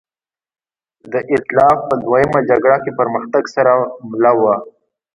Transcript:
د اېتلاف په دویمه جګړه کې پرمختګ سره مله وه.